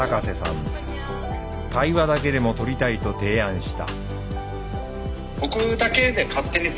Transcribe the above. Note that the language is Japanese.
対話だけでも撮りたいと提案した。